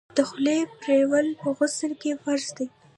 د خولې پریولل په غسل کي فرض دي.